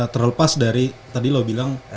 terlepas dari tadi lo bilang